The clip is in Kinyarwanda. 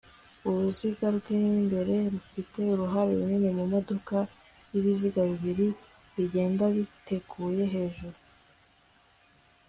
Uruziga rwimbere rufite uruhare runini mumodoka yibiziga bibiri bigenda bitaguye hejuru